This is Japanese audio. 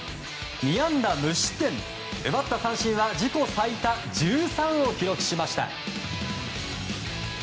２安打無失点、奪った三振は自己最多１３を記録しました。